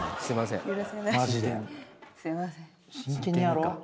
すいません。